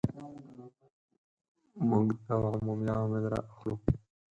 موږ دغه عمومي عوامل را اخلو.